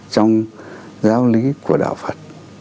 trong giáo lý của đạo phật